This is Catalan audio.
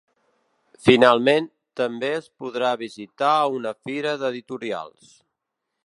Finalment, també es podrà visitar una fira d’editorials.